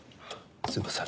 すいません。